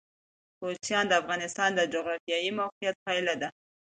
کوچیان د افغانستان د جغرافیایي موقیعت پایله ده.